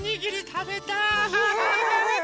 たべたい！